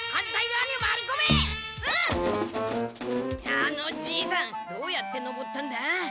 あのじいさんどうやって登ったんだ？